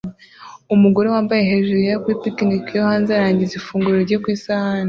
Umugore wambaye hejuru yera kuri picnic yo hanze arangiza ifunguro rye ku isahani